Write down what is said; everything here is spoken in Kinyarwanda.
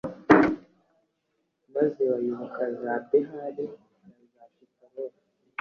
maze bayoboka za behali na za ashitaroti